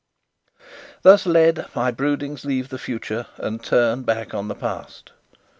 Thus led, my broodings leave the future, and turn back on the past.